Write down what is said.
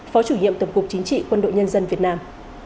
phó chủ nhiệm tổng cục chính trị quân đội nhân dân việt nam